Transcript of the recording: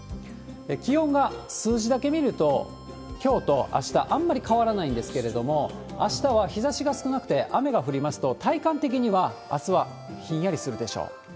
気温が数字だけ見るときょうとあした、あんまり変わらないんですけれども、あしたは日ざしが少なくて、雨が降りますと、体感的には、あすはひんやりするでしょう。